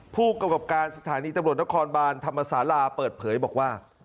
ผู้กำกับการสถานีตำรวจนครบานธรรมศาลาเปิดเผยบอกว่า